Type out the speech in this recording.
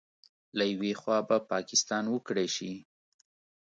له یوې خوا به پاکستان وکړې شي